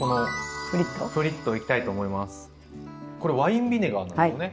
これワインビネガーなんですよね。